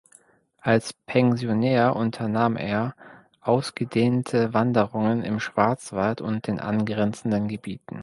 Als Pensionär unternahm er ausgedehnte Wanderungen im Schwarzwald und den angrenzenden Gebieten.